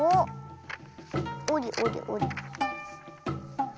おりおりおり。